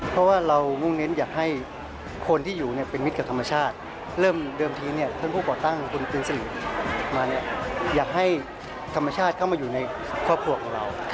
เพราะว่าเรามุ่งเน้นอยากให้คนที่อยู่เนี่ยเป็นมิตรกับธรรมชาติเริ่มเดิมทีเนี่ยท่านผู้ก่อตั้งคุณตีสนิทมาเนี่ยอยากให้ธรรมชาติเข้ามาอยู่ในครอบครัวของเรา